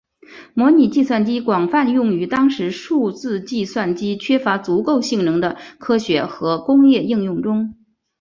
模拟计算机广泛用于当时数字计算机缺乏足够性能的科学和工业应用中。